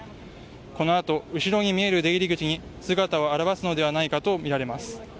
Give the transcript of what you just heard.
このあと後ろに見える出入り口に姿を現すのではないかとみられます。